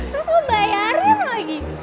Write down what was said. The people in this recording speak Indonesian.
terus lo bayarin lagi